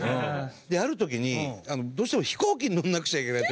である時にどうしても飛行機に乗らなくちゃいけない時があって。